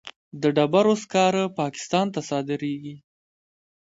د ډبرو سکاره پاکستان ته صادریږي